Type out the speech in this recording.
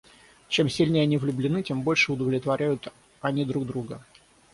Чем сильнее они влюблены, тем больше удовлетворяют они друг друга.